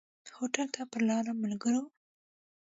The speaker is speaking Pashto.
هوټل ته پر لاره ملګرو.